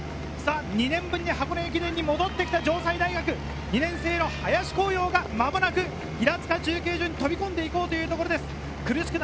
２年ぶりに箱根駅伝に戻ってきた城西大学２年生・林晃耀が間もなく平塚中継所に飛び込んで行こうというところ。